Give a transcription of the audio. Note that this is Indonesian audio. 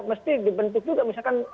mesti dibentuk juga misalkan